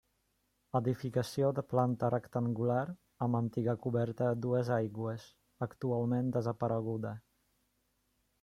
Edificació de planta rectangular amb antiga coberta a dues aigües, actualment desapareguda.